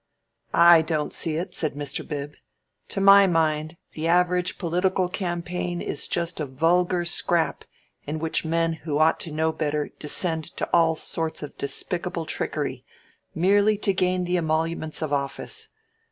"I don't see it," said Mr. Bib. "To my mind, the average political campaign is just a vulgar scrap in which men who ought to know better descend to all sorts of despicable trickery merely to gain the emoluments of office.